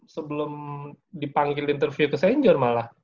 sebelum dipanggil interview ke st john malah